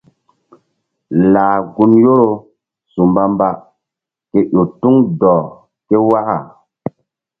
Lah gun Yoro su mbamba ke ƴo tuŋ dɔh ke waka.